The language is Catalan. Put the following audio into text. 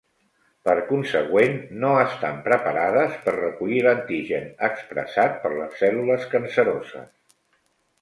Per consegüent, no estan preparades per recollir l'antigen expressat per les cèl·lules canceroses.